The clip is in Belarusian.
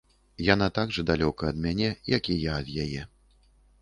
Яна так жа далёка ад мяне, як і я ад яе.